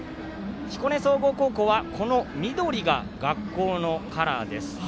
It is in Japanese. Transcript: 彦根総合高校は、この緑が学校のカラーです。